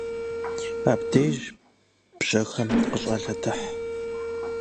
Абдеж бжьэхэм къыщалъэтыхь.